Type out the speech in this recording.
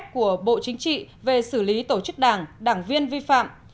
của bộ chính trị về xử lý tổ chức đảng đảng viên vi phạm